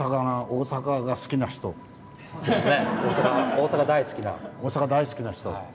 大阪大好きな。